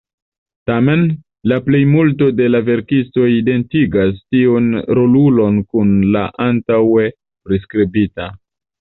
Tamen, la plejmulto de la verkistoj identigas tiun rolulon kun la antaŭe priskribita.